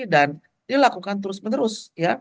dan dilakukan terus menerus